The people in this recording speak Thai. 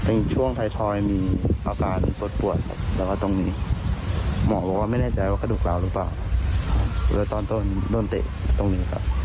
โอ้ยเจ็บก็เจ็บตาเนี่ย